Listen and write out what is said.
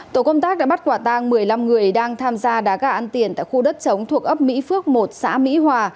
tổ công tác đã bắt quả tang một mươi năm người đang tham gia đá gà ăn tiền tại khu đất chống thuộc ấp mỹ phước một xã mỹ hòa